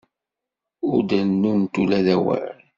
Ur d-rennumt ula d awal.